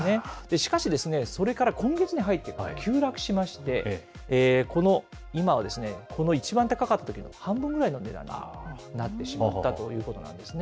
しかしですね、それから今月に入って急落しまして、今は、この一番高かったときの半分ぐらいの値段になってしまったということなんですね。